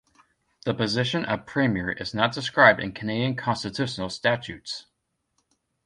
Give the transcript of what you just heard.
The position of premier is not described in Canadian constitutional statutes.